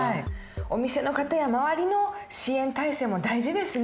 お店の方や周りの支援体制も大事ですね。